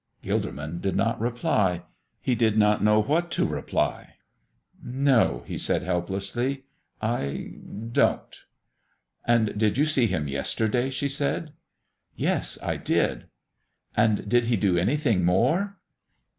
Gilderman did not reply. He did not know what to reply. "No," said he, helplessly, "I don't." "And did you see Him yesterday?" she said. "Yes, I did." "And did He do anything more?"